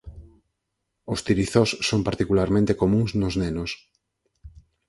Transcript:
Os tirizós son particularmente comúns nos nenos.